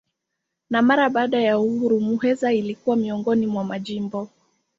Na mara baada ya uhuru Muheza ilikuwa miongoni mwa majimbo.